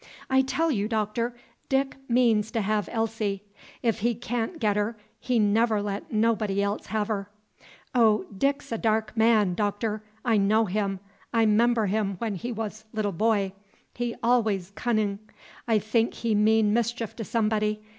"I tell you, Doctor. Dick means to have Elsie. If he ca'n' get her, he never let nobody else have her! Oh, Dick 's a dark man, Doctor! I know him! I 'member him when he was little boy, he always cunin'. I think he mean mischief to somebody.